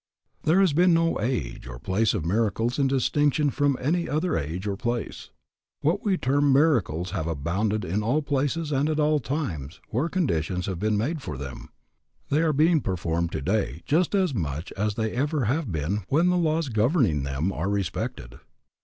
There has been no age or place of miracles in distinction from any other age or place. What we term miracles have abounded in all places and at all times where conditions have been made for them. They are being performed today just as much as they ever have been when the laws governing them are respected.